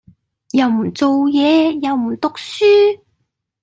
又唔做嘢又唔讀書